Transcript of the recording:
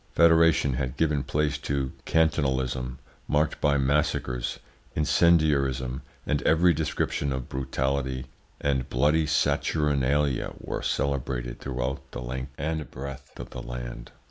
Federation had given place to cantonalism, marked by massacres, incendiarism, and every description of brutality, and bloody saturnalia were celebrated throughout the length and breadth of the land."